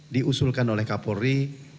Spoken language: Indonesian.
diusulkan oleh kapolri